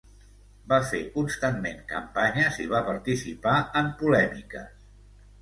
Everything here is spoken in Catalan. Va fer constantment campanyes i va participar en polèmiques.